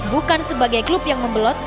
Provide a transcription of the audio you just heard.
bukan sebagai klub yang membelot